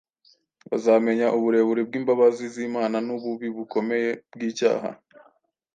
bazamenya uburebure bw’imbabazi z’Imana n’ububi bukomeye bw’icyaha.